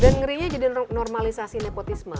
dan ngerinya jadi normalisasi nepotisme